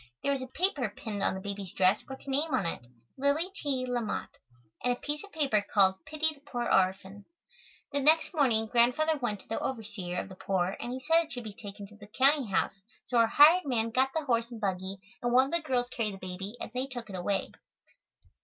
There was a paper pinned on the baby's dress with her name on it, "Lily T. LaMott," and a piece of poetry called "Pity the Poor Orphan." The next morning, Grandfather went to the overseer of the poor and he said it should be taken to the county house, so our hired man got the horse and buggy, and one of the girls carried the baby and they took it away.